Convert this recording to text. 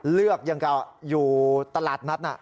เลือกอยู่ตลาดนัดน่ะ